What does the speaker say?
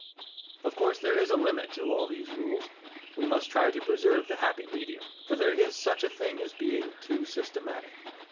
Of course there is a limit to all these rules. We must try to preserve the happy medium, for there is such a thing as being too systematic.